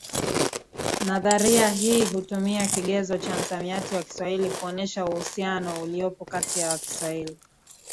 Nadharia hii hutumia kigezo cha msamiati wa Kiswahili kuonesha uhusiano uliopo kati ya Kiswahili